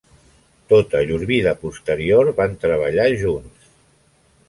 Tota llur vida posterior van treballar junts.